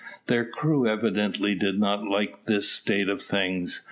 Their crew evidently did not like this state of things.